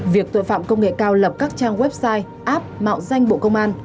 việc tội phạm công nghệ cao lập các trang website app mạo danh bộ công an